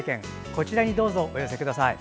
こちらにどうぞお寄せください。